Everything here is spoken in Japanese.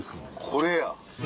これや！